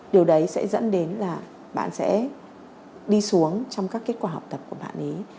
điều đấy sẽ dẫn đến là bạn sẽ đi xuống trong các kết quả học tập của bạn ấy